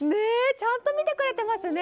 ちゃんと見てくれてますね。